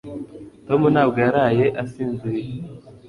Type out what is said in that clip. Tom ntabwo yaraye asinziriye.